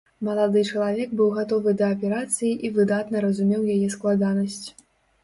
Малады чалавек быў гатовы да аперацыі і выдатна разумеў яе складанасць.